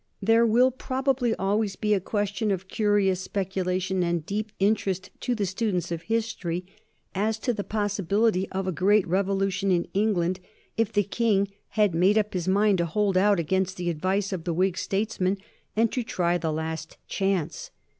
There will probably always be a question of curious speculation and deep interest to the students of history as to the possibility of a great revolution in England if the King had made up his mind to hold out against the advice of the Whig statesmen and to try the last chance.